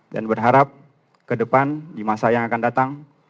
dan berharap ke depan di masa yang akan datang